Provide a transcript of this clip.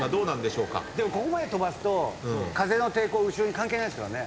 でもここまで飛ばすと風の抵抗後ろに関係ないですからね。